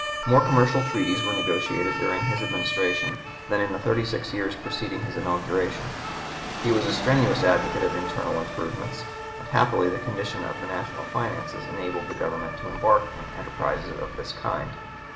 More commercial treaties were negotiated during his Administration than in the thirty six years preceding his inauguration. He was a strenuous advocate of internal improvements, and happily the condition of the national finances enabled the Government to embark in enterprises of this kind.